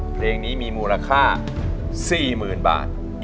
เพลงนี้มีมูลค่าสี่หมื่นบาท